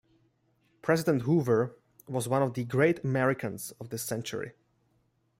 President Hoover was one of the great Americans of this century.